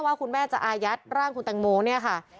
ว่าคุณแม่จะอายัดร่างคุณแตงโมเนี่ยค่ะ